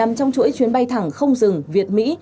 nằm trong chuỗi chuyến bay thẳng không dừng việt mỹ